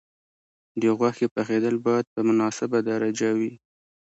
د غوښې پخېدل باید په مناسبه درجه وي.